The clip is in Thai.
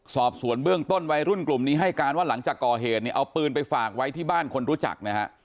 สอบสวนเบื้องต้นวัยรุ่นกลุ่มนี้ให้การว่าหลังจากก่อเหตุเนี่ยเอาปืนไปฝากไว้ที่บ้านคนรู้จักนะฮะ